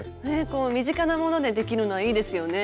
身近なものでできるのはいいですよね。